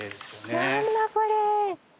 何だこれ。